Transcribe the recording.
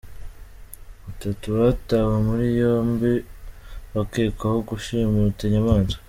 Batatu batawe muri yombi bakekwaho gushimuta inyamaswa